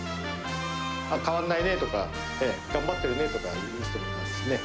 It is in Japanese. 変わんないねとか、頑張ってるねとか言う人いますね。